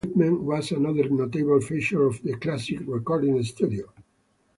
Special equipment was another notable feature of the "classic" recording studio.